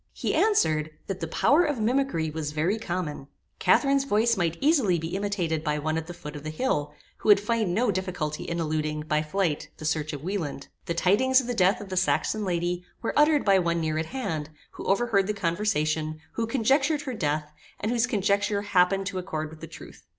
He answered, that the power of mimickry was very common. Catharine's voice might easily be imitated by one at the foot of the hill, who would find no difficulty in eluding, by flight, the search of Wieland. The tidings of the death of the Saxon lady were uttered by one near at hand, who overheard the conversation, who conjectured her death, and whose conjecture happened to accord with the truth.